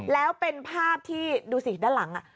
แล้วเป็นภาพที่ดูสิด้านหลัง